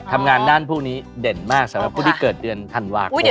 ทำงานด้านพวกนี้เด่นมากสำหรับผู้ที่เกิดเดือนธันวาคม